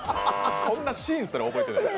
そんなシーンすら覚えてない。